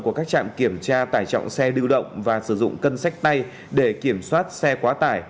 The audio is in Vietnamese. của các trạm kiểm tra tải trọng xe lưu động và sử dụng cân sách tay để kiểm soát xe quá tải